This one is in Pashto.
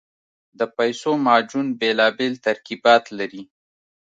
د پیسو معجون بېلابېل ترکیبات لري.